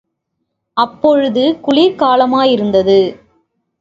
அப்பொழுது குளிர் காலமாயிருந்தது.